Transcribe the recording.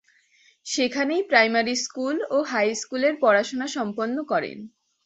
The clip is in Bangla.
সেখানেই প্রাইমারি স্কুল ও হাই স্কুলের পড়াশুনা সম্পন্ন করেন।